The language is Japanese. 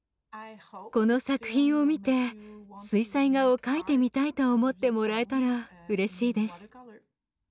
この作品を見て水彩画を描いてみたいと思ってもらえたらうれしいです。